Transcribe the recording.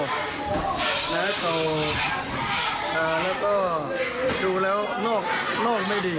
และอาวุธที่เขาดูแล้วนอกไม่ดี